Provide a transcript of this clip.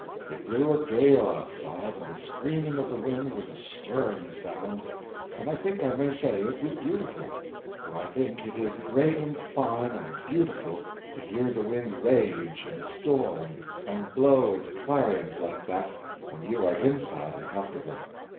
It blew a gale outside, and the screaming of the wind was a stirring sound, and I think I may say it was beautiful, for I think it is great and fine and beautiful to hear the wind rage and storm and blow its clarions like that, when you are inside and comfortable.